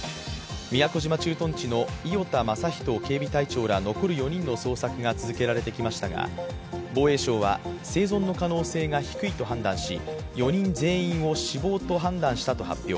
宮古島駐屯地の伊與田雅一警備隊長ら残る４人の捜索が続けられてきましたが防衛省は、生存の可能性が低いと判断し、４人全員を死亡と判断したと発表。